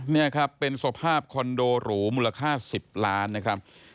นี่ครับเป็นสภาพคอนโดหรูมูลค่า๑๐ล้านนะครับ